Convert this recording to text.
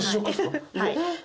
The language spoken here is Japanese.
はい。